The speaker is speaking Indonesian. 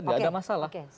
tidak ada masalah